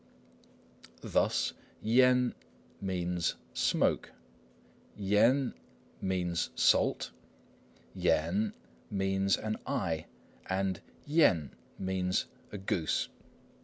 Thus 烟 yen^1 means "smoke"; 鹽 yen^2 means "salt"; 眼 yen^3 means "an eye"; and 雁 yen^4 means "a goose."